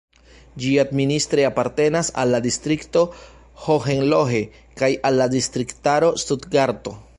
Ĝi administre apartenas al la distrikto Hohenlohe kaj al la distriktaro Stutgarto.